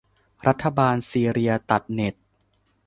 รัฐบาลซีเรียตัดเน็ต